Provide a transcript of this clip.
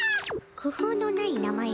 くふうのない名前じゃの。